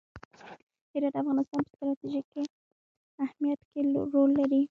هرات د افغانستان په ستراتیژیک اهمیت کې رول لري.